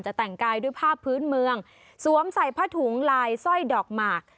แต่งกายด้วยผ้าพื้นเมืองสวมใส่ผ้าถุงลายสร้อยดอกหมาก